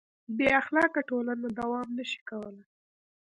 بېاخلاقه ټولنه دوام نهشي کولی.